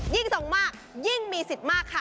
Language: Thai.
ยิ่งส่งมายิ่งมีสิทธิ์มากค่ะ